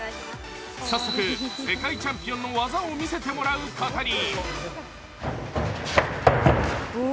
早速、世界チャンピオンの技を見せてもらうことに。